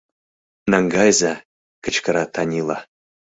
Наҥгайыза! — кычкыра Танила.